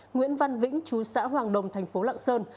nguyễn văn vĩnh chú xã hoàng đồng thành phố lạng sơn